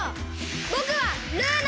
ぼくはルーナ！